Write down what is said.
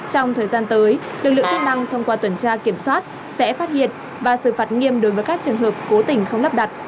trong thời gian tới lực lượng chức năng thông qua tuần tra kiểm soát sẽ phát hiện và xử phạt nghiêm đối với các trường hợp cố tình không lắp đặt